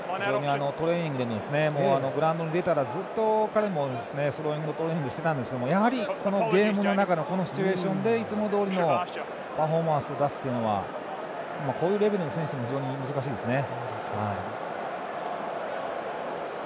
グラウンドに出たらずっと彼もスローインのトレーニングをしていたんですがやはり、ゲームの中のこのシチュエーションでいつもどおりのパフォーマンスを出すというのはこういうレベルの選手でも非常に難しいですね。